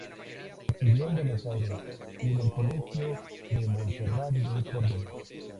Estudió en Buenos Aires y en el Colegio de Monserrat de Córdoba.